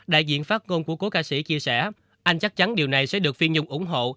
đại diện phát ngôn của cố ca sĩ chia sẻ anh chắc chắn điều này sẽ được phi nhung ủng hộ